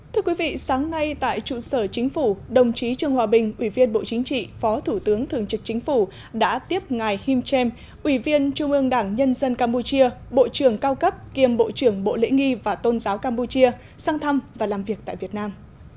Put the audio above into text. thưa quý vị sáng nay tại trụ sở chính phủ đồng chí trương hòa bình ủy viên bộ chính trị phó thủ tướng thường trực chính phủ đã tiếp ngài him chem ủy viên trung ương đảng nhân dân campuchia bộ trưởng cao cấp kiêm bộ trưởng bộ lễ nghi và tôn giáo campuchia sang thăm và làm việc tại việt nam